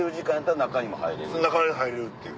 中に入れるっていう。